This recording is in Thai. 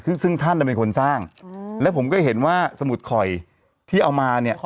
ซึ่งซึ่งท่านเป็นคนสร้างแล้วผมก็เห็นว่าสมุดข่อยที่เอามาเนี่ย